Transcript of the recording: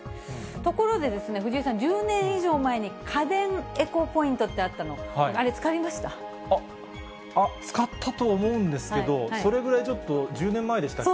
ところで、藤井さん、１０年以上前に家電エコポイントってあったの、あっ、使ったと思うんですけど、それぐらい、ちょっと１０年前でしたっけ？